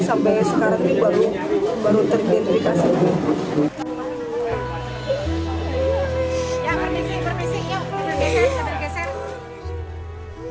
sampai sekarang baru baru teridentifikasi